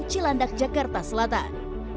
cilandak jakarta selatan